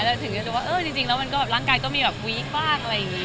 ถึงจะรู้ว่าเออจริงแล้วมันก็แบบร่างกายก็มีแบบวีคบ้างอะไรอย่างนี้